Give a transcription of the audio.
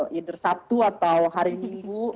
either sabtu atau hari minggu